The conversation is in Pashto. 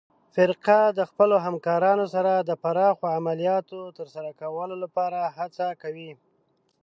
فرقه د خپلو همکارانو سره د پراخو عملیاتو ترسره کولو لپاره هڅه کوي.